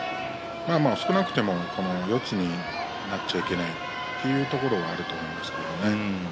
少なくとも四つになっちゃいけないというところがあると思います。